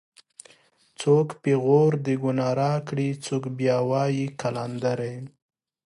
څوک پېغور د گناه راکړي څوک بیا وایي قلندرې